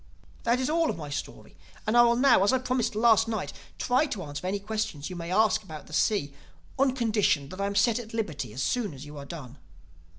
"That is all of my story and I will now, as I promised last night, try to answer any questions you may ask about the sea, on condition that I am set at liberty as soon as you have done."